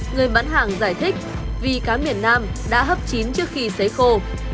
người bán hàng giải thích vì cá miền nam đã hấp chín trước khi xấy khô